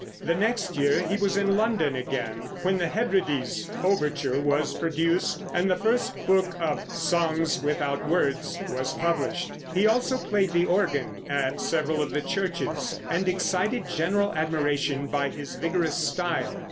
The next year he was in London again, when the Hebrides overture was produced and the first book of "Songs without Words" was published. He also played the organ at several of the churches, and excited general admiration by his vigorous style.